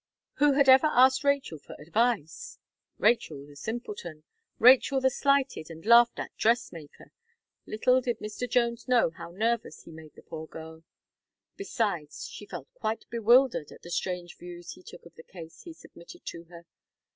Who had ever asked Rachel for advice! Rachel the simpleton Rachel the slighted and laughed at dressmaker? Little did Mr. Jones know how nervous he made the poor girl; besides, she felt quite bewildered at the strange views he took of the case he submitted to her.